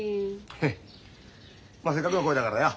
ヘッまっせっかくの厚意だからよ。